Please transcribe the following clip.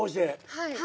はい。